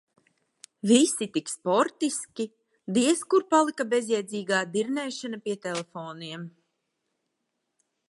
Visi tik sportiski, diez kur palika bezjēdzīgā dirnēšana pie telefoniem.